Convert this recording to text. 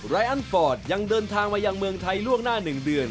อันฟอร์ตยังเดินทางมายังเมืองไทยล่วงหน้า๑เดือน